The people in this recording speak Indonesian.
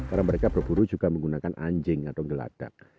karena mereka berburu juga menggunakan anjing atau geladak